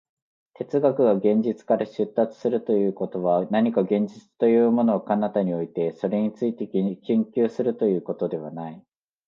哲学が現実から出立するということは、何か現実というものを彼方に置いて、それについて研究するということではない。